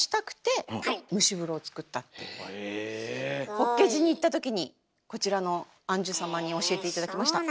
法華寺に行ったときにこちらの庵主様に教えて頂きました。